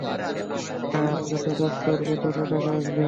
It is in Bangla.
আরে যত কাজ ধরবে, তত টাকা আসবে।